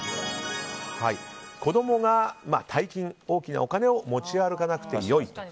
子供が大金、大きなお金を持ち歩かなくてよい。